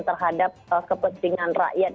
terhadap kepentingan rakyat